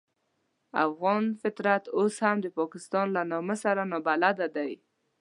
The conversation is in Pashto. افغان فطرت اوس هم د پاکستان له نامه سره نابلده دی.